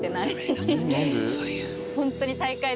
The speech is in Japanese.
何で？